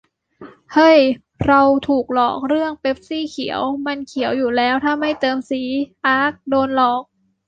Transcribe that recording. เฮ้ย เราถูกหลอกเรืองเป็ปซี่เขียว ! มันเขียวอยู่แล้ว ถ้าไม่เติมสี อ๊าก โดนหลอก